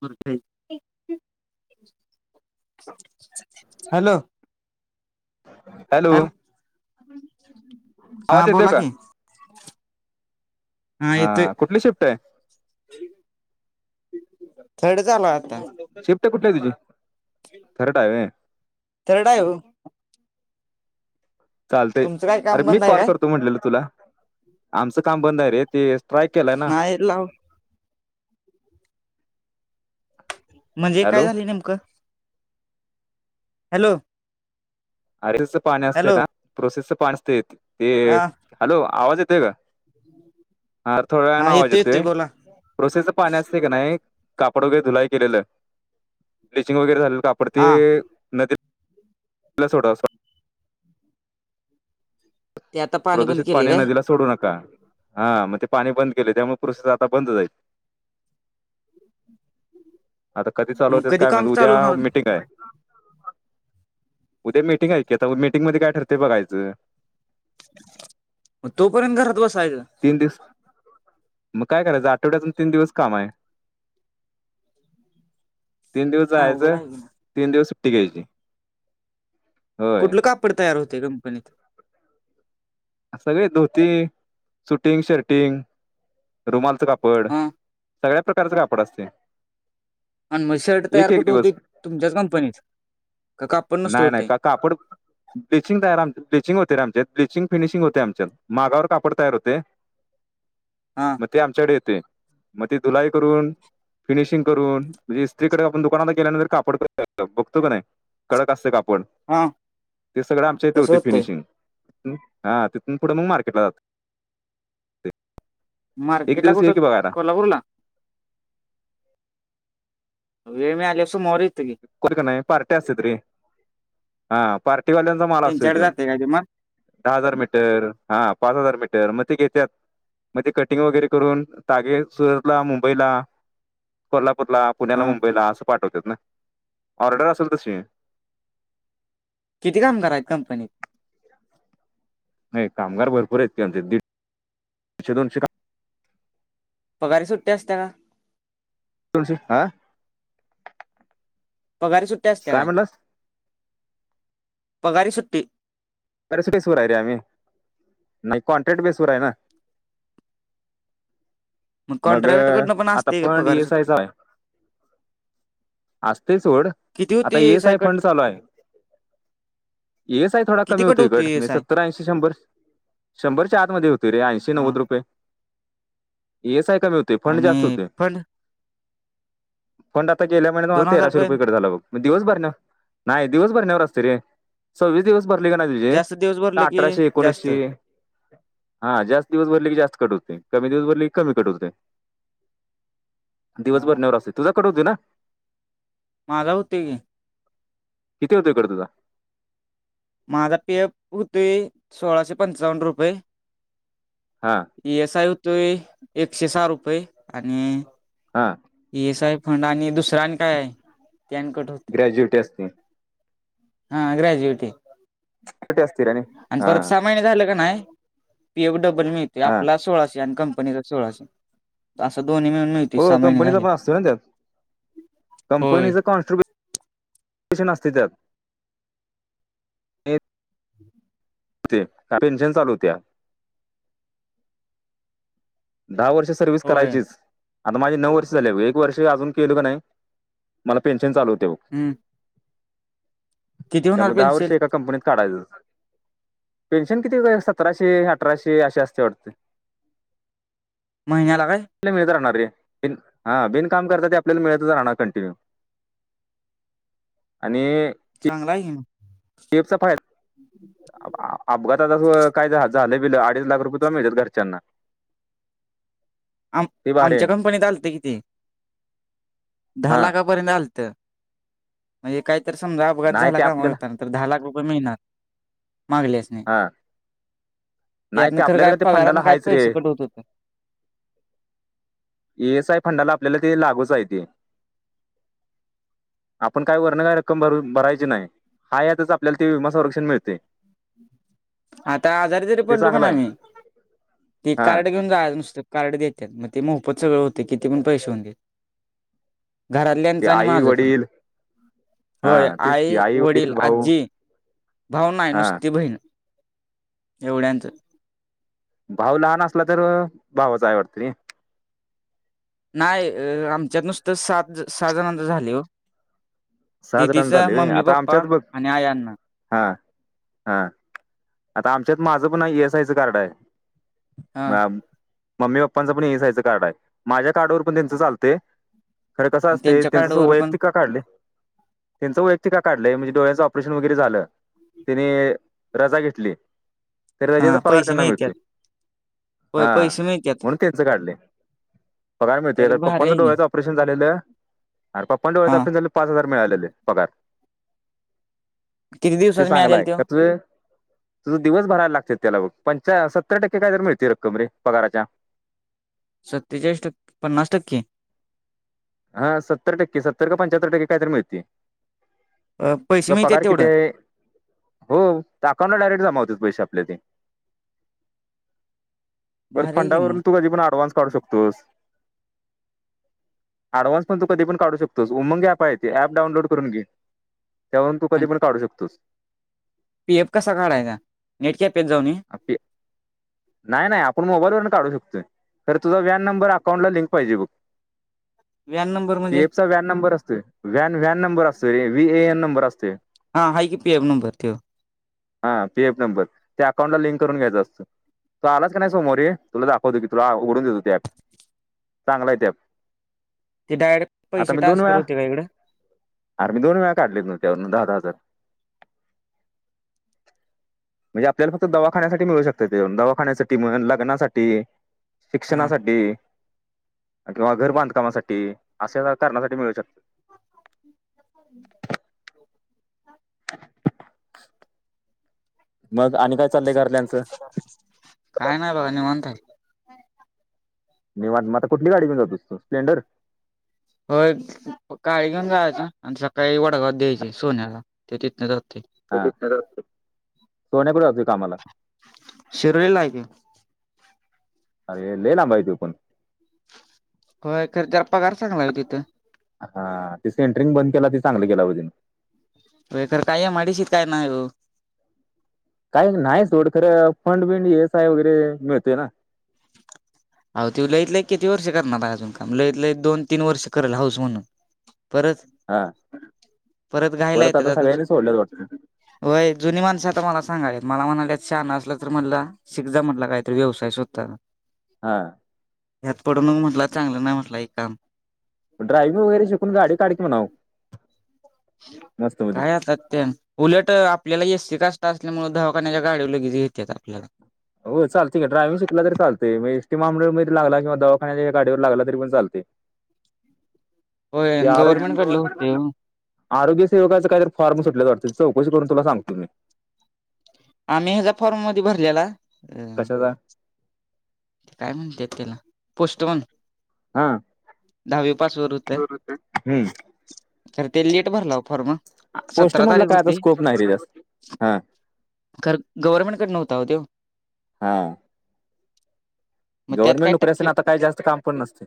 [unintelligible] Hello? Hello? हा आवाज येतोय बोला का? की हा येतोय, कुठली शिफ्ट आहे कट झाला, आता. शिफ्ट कुठली तुझी? करत हाय ओ. थर्ड हाय ओ. चालतय, तुमचं काय अरे काम मी बंद आहे कॉल काय करतो, म्हटलेलं तुला. आमचं काम बंद हाय रे, ते स्ट्राईक केलंय ना. नाही लाव. म्हणजे, काय हॅलो झाली नेमकं? हॅलो? अरे सं पाण असते हॅलो ना, प्रोसेसच पान असतय हे. हा हॅलो? आवाज येतोय का? हां थोड्या वेळान आवाज येतोय. प्रोसेसच पाणी असतय का नाही, कापड वगैरे धुलाई केलेलं, ब्लिचिंग वगैरे झालेलं काप ड हा ते. [unintelligible] सोड. ते आता बंद प्रदूषित केले पाणी काय नदीला सोडू नका, हां म ते पाणी बंद केलय, त्यामुळ प्रोसेस आता बंद जाई. आता कधी चालू मग होत्यात, कधी काय काम माहित, उद्या चालू होणार मिटिंग हाय. उद्या मिटिंग हाय की, आता मिटिंग मध्ये काय ठरते, बघायचं. म, तोपर्यंत घरात बसायचं? तीन दिस, मग काय करायचं, आठवड्यातून तीन दिवस काम हाय. [inaudible] तीन दिवस अवघड जायाचं, आहे की तीन दिवस सुट्टी घ्यायची. होय कुठलं कापड तयार होतय, कंपनीत? सगळे धोती, सुटिंग- शर्टिंग, रुमालचं कापड हा सगळ्या प्रकारचं कापड असतय. अन मग शर्ट तयार कुठ होतय? दिवस तुमच्याच कंपनीत? का कापड नुसतं नाही नाही होतय? का कापड ब्लिचिंग तयार आम ब्लिचिंग होतेमचेत ब्लिचिंग फिनिशिंग होतय आमच्यात मागावर कापड तयार होते. हा मग ते आमच्याकडे येते मग ते धुलाई करून- फिनिशिंग करून म्हणजे स्त्रीकडे आपण दुकानात गेल्यानंतर कापड बघतो का नाही कडक असत कापड हा ते सगळं आमच्या इथे तसं होते होतंय फिनिशिंग. हु हा तिथून पुढं मग मार्केटला जात एक मार्केटला दिवस कुठं एक की बघायला. कोल्हापूरला वेळ मीळाल्यापसून सोमवारी येतो की कोठ का नाही पार्टी असते त रे हा पार्टी वाल्यांचा माल असतोय त्यांच्याकडे तो जाते काय ते मग दहा हजार मीटर हा पाच हजार मीटर मग ते घेेत्यात मग तेे कटिंग वगैरे करून तागे सुरतला मुंबईला कोल्हापूरला पुण्याला हा मुंबईला असं पाठवतात ना ऑर्डर असेल तशी किती कामगार आहेत कंपनीत? नाही कामगार भरपूर आहेतचे दीडशे दोनशे काम पगारी सुट्टी असत्या‌ ना तल आ पगारी सुट्टी असत्या काय? पगारी सुट्टी सटेसवर आहे रे आम्ही नाही कॉन्ट्रॅक्ट बेसवर आहे ना नाही मग आता पण पगारी सुट्टी येयसाचाय असतेच ओड किती होती आता ए एस आय कट फंड चालूय आहे येच आहे थोडा किती कमी कट होती होतीकडे एस आय सत्तर ऐंशी शंभर शंभरच्या आतमध्ये होती रे ऐंशी हा नव्वद रुपये येस आहे का मी होतो आणि पण पण आता गेल्या महिन्यात मला दोन हजार तेराशे पर्यंत रुपयेघट झाला बघ दिवसभर न नाही दिवसभर नवर असते रे सव्वीस दिवस भरली का नाही तुझे जास्त दिवस भरलं की अठराशे जास्त एकोणीसशे हा जास्त दिवस भरले की जास्त कट होते कमी दिवस भरले की कमी कट होते. दिवसभर हा नवरा असते तुझा कट होते ना माझा होते की किती होते कट ताचा माझा पेअप होते सोळाशे पंचावन्न रुपये हां एस आय होतोय एकशे सहा रुपये आणि हा एस आय फंड आणि दुसरा आणि काय आहे त्याक ग्रॅज्युएट असते हा ग्रॅज्युएटी ग्रॅज्युएटी असते रे आणि हा परत सहा महिने झाले का नाही पी एफ डबल मिळते हा आपला सोळाशे आणि कंपनीचा सोळाचे असं दोन्ही मिळून मिळते सहा महिने कंपनीच झाले पण असतो ना त्यात होय कंपनीच कॉनट केशन असती त्यात नाही ते पेन्शन चालू होत्या दहा वर्ष सर्विस होय करायचीच आता माझे नऊ वर्ष झाले एक वर्ष अजून केल का नाही मला पेन्शन चालू होत्या बघ हम्म किती होणार त्यामुळे दहा पेन्सिल वर्षी एका कंपनीत काढायचच पेन्शन किती सतराशे, अठराशे अशी असते वाटत महिन्याला काय मिळत राहणार रे हा बिन काम करता ते आपल्याला मिळत राहणार कंटिन्यू आणि चांगला आहे की [unintelligible] अपघातातं काय झालं बिलं अडीच लाख रुपये तुला मिळत्यात घरच्यांना आम ते भारी आहे आमच्या कंपनीत आलत कि ते दहा हा लाखापर्यंत आलत म्हणजे काहीतर समजा अपघात नाही झाला ते कामावर आपल्याला जाताना तर दहा लाख रुपये मिळणार मागल्यास हा नाही त्यातन ते खर आपल्याला काय का ते फंडाला पगारातन काय हायच रे. पैसे कट होत होते ए एस आय फंडाला आपल्याला ते लागूच आहे ते [unintelligible] आपण काही वर्ण काय रक्कम भर भरायची नाही हा यातच आपल्याला ते विमा संरक्षण मिळतय आता आजारी जरी ते पडलो का चांगलं ना आहे आम्ही ते हा कार्ड घेऊन जायचं नुसत कार्ड देत्यात मग ते मोफत सगळं होते किती पण पैसे होऊ देत ते घरातल्यांचं आणि आई माझं पण वडील हा होय तेच की आई, वडील, भाऊ आज्जी भाऊ आहे हा नुसती बहीण एवढ्यांच भाऊ लहान असला तर भावाच आहे वाटतं रे नाही आमच्यात नुसत सात, सहा जणांच झालय हो सहा जणांना दिदीच, झाले व्हय मम्मी, आता आमच्यात पप्पा बघ आणि आई, अण्णा हा, हा आता आमच्यात माझं पण एस आयचं कार्ड आहे हा म मम्मी, पप्पांचं पण इएसआय चं कार्ड आहे माझ्या कार्डावर पण त्यांचं चालतय तर कसं आणि असतय त्यांच्या त्यांचं कार्डवर पण वैयक्तिक का काढलय त्यांचं वैयक्तिक का काढलंय म्हणजे डोळ्यांचं ऑपरेशन वगैरे झालं त्यांनी रजा घेतली तर रजेचा हा पगार पैसे त्यांना मिळतोय मिळत्यात हा होय पैसे मिळत्यात म्हणून त्यांच काढलय पगार मिळतय तरी र भारी पप्पांचा आहे की डोळ्याचा ऑपरेशन झालेलं अर पप्पांच्या हा डोळ्याचं पाच हजार मिळालेले पगार किती ते दिवसात चांगलाय मिळालेल त्यो कस तुझं दिवस भरायला लागत त्याला पणच्या सत्तर टक्के काय तर मिळते रक्कम रे पगाराच्या सत्तेचाळीस टक्के, पन्नास टक्के हा सत्तर टक्के, सत्तर का पंच्यातर टक्के कायतरी मिळतीय अ, पैसे ज मिळत्यात पगार किती तेवढं आहे हो त्या अकाउंटला डायरेक्ट जमा होते पैसे आपल्या ते बर भारी आहे की मग फंडावरून तू कधी पण अऍडव्हान्स काढू शकतोस अडव्हान्स प तू कधीण का करू शकतो उमंग अँप आहे ते अँप डाऊनलड करून घे त्यावरून तू कधी आणि पण काढू शकतोस पी एफ कसा काढायचा नेट कॅफेला जाऊन ये आपे नाही, नाही आपण मोबाईल वरून काढू शकतोय खर तुझा व्यान नंबर अकाउंट ला लिंक पाहिजे बघ [unintelligible] पी म्हणजे एफ चा व्हॅन नंबर असतोय व्हॅन व्हॅन नंबर असतोय रे व्ही ए एन नंबर असतोय. हा हाय की पी एफ नंबर त्यो. हा पी एफ नंबर ते अकाउंटला लिंक करून घ्यायचा असतो. तू आलाच का नाय समवारी तुला दाखवतो की तुला उघडून देतो ती अँप चांगलाय ती अँप. ते डायरेक्ट पैशे ट्रान्सफर होते का इकंड. आर मी दोन वेळा काढलेत ना त्यावरून दहा दहा हाजार. म्हणजे आपल्याला फक्त दवाखान्यासाठी मिळू शकत ते दवाखान्यासाठी लग्नासाठी हा शिक्षणासाठी किंवा घर बांधकामासाठी अशा करण्यासाठी मिळू शकता [inaudible] [inaudible] मग आणि काय चाललंय घरतल्यांनचं? काय नाय बघा निवांत हाय. निवांत म आता कुठली गाडी घेऊन जातोस तू स्प्लेंडर? होय काळी घेऊन जायाचं आणि सकाळी वडागवत द्यायची सोन्याला. त्यो तिथन जातूय. हा सोन्या कुठ जातुय कामाला? शिरोलीला हाय की. अरे लय लांब आय त्यो पण. होय खर त्याला पगार चांगलाय ओ तिथं. हा ति सेंट्रींग बंद केला ती चांगलं केला ब त्यांनी. व्हय खर काय एम आय डीशीत काय नाय ओ. कायच नाय सोड खर फंड बिंड इ एस आय वगैरे मिळतय ना. आव त्यो लायत लय किती वर्ष करणाराय अजून काम लयत लंय दोन तीन वर्ष करल हाऊस म्हणून. परत हा. परत घायला येतात आता सगळ्यांनी सोडल्यात वाटतं व्हय जुनी माणसं आता मला सांगायल्यात मला म्हणालेत शहाणा असला तर म्हनला शीक जा म्हनला कायतरी व्यवसाय स्वतःचा. हा. ह्यात पडू नको म्हणाल चांगलं नाय म्हटला हे काम. म ड्रायव्हिंग वगैरे शिकून गाडी काढ की म्हणाव. मस्त मधी. काय आता त्यान उलट आपल्याला एसी कास्टा असल्यामुळ दवाखान्याच्या गाडीव लगीच घेत्यात आपल्याला. हो चालतंय की ड्रायव्हिंग शिकला तरी चालतंय म एस टी महा मंडळात लागला किंवा दवाखान्याच्या गाडीवर लागला तरी पण चालतय. होय अन् आरो गव्हर्मेंट कडलं होतय ओ. आरोग्य सेवाकाचा काय तर फॉर्म सुटल्यात वाटत चौकशी करून तुला सांगतो मी. आम्ही ह्याजा फॉर्म मधी भरलेला. अ कशाचा? काय म्हणतेत त्याला पोस्टमन. हा दहावी पास वर हुत. हम्म खर ते लेट भरला ओ फॉर्म पोस्ट सतरा म्हटलं तारीख काय आता हुती. स्कोप नाही रे जास्त हा खर गव्हर्मेंट कडन हुता ओ त्यो. हा. मग त्यात गव्हर्मेट काय नोकरी असती टक्के आणि आता काय जास्त काम पण नसतं.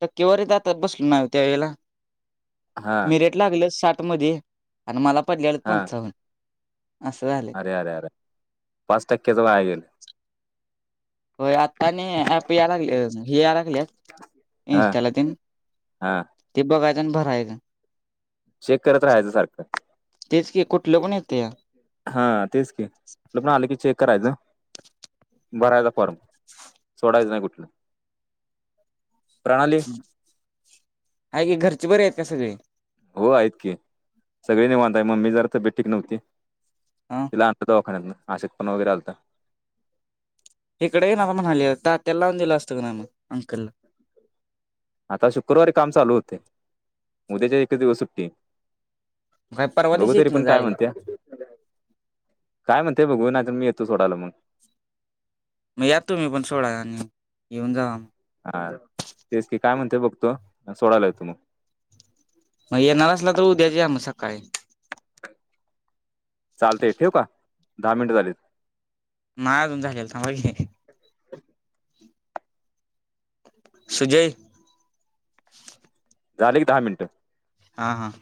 टक्केवारी जातात बसलो नाय ओ त्या वेळेला हा मिरेट लागल साठ मध्ये. आणि मला पडलेलं हा पंचावन्न असं झालं. अरे अरे अरे पाच टक्क्याच वाया गेलं. होय आता नाही ऍप या लागल हे याय लागल. हा इन्स्टाला तेन, हा ते बघायचं आणि भरायचं. चेक करत राहायचं सारखं तेच कि कुठलं पण येत या. हा तेच की [unintelligible] आलो की चेक करायचं. बरायचा फॉर्म, सोडायच नाही कुठलं. प्रणाली आहे की घरचे बरे आहेत का सगळे? हो आहेत की सगळे निवांताय मम्मी जरा तब्येत ठीक नव्हती. हा तिला आणत दवाखान्यात न आशक पणा वगैरे आलता. इकड [unintelligible] म्हणाल्या तात्याला लावून दिलं असतं क ना मग अंकलला. आता शुक्रवारी काम चालू होतय, उद्याच्या एकच दिवस सुट्टी. काय परवा बघू दिवशी तरी येत ना पण काय जायला म्हणत्या. काय म्हणते बघू नाही तर मी येतो सोडायला मग. मग या तुम्ही पण सोडा आणि येऊन जावा मग. हा तेच की काय म्हणते बघतो सोडायला येतो मग. मग येणार असला तर उद्याच या मग सकाळी. चालतय ठेवू का? दहा मिनिटं झालेत. नाही अजून झालेल थांबा की. [inaudible] सुजय. झाले कि दहा मिनटं. हा हां.